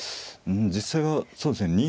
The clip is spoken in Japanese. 実際はそうですね